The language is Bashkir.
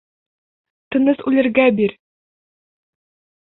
Тыныс үлергә бир!..